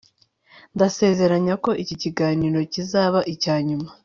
ndasezeranye ko iki kiganiro kizaba icya nyuma